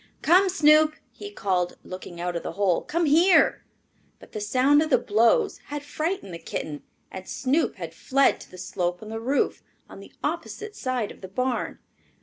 "Come, Snoop!" he called, looking out of the hole. "Come here!" But the sound of the blows had frightened the kitten, and Snoop had fled to the slope of the roof on the opposite side of the barn.